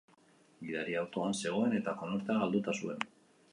Gidaria autoan zegoen eta konortea galduta zuen.